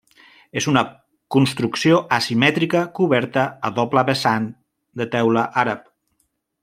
És una construcció asimètrica coberta a doble vessant de teula àrab.